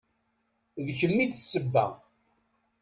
D kem i d sseba.